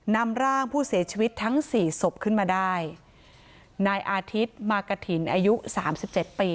นำร่างผู้เสียชีวิตทั้งสี่ศพขึ้นมาได้นายอาทิตย์มากฐินอายุสามสิบเจ็ดปี